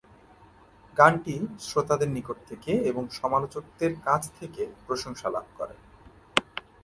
গানটি শ্রোতাদের নিকট থেকে এবং সমালোচকদের কাছ থেকে প্রশংসা লাভ করে।